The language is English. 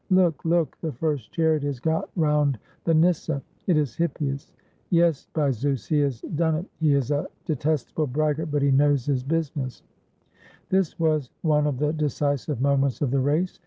— Look, look, — the first chariot has got round the nyssa! It is Hippias! Yes, by Zeus, he has done ^ The turning post or goal. ROME it! He is a detestable braggart, but he knows his busi ness!" This was one of the decisive moments of the race.